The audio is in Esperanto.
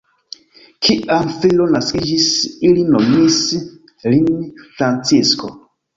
Kiam filo naskiĝis, ili nomis lin Francisko.